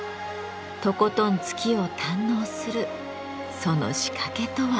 とことん月を堪能するその仕掛けとは。